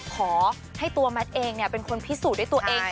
ขอให้ตัวแมทเองเป็นคนพิสูจน์ด้วยตัวเอง